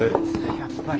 やっぱり。